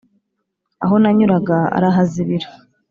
aho nanyuraga arahazibira.